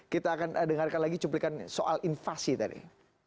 kita akan dengarkan lagi cuplikan soal invasi tadi